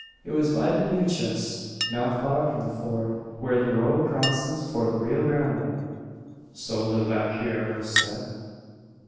It was by the Nueces not far from the ford where the road crosses for the Rio Grande. So the vaqueros said."